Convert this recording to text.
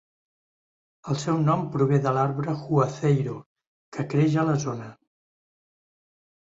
El seu nom prové de l'arbre "juazeiro", que creix a la zona.